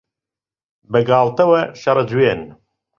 بەگاڵتەوە شەڕە جوێن